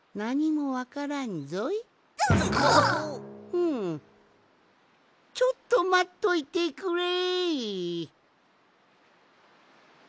うんちょっとまっといてくれい！